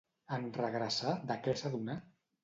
En regressar, de què s'adonà?